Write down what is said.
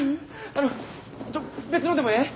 あのちょ別のでもええ？